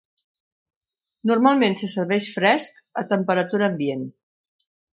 Normalment se serveix fresc, a temperatura ambient.